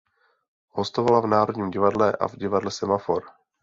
Hostovala v Národním divadle a v divadle Semafor.